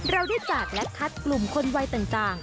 เราได้จากและคัดกลุ่มคนวัยต่าง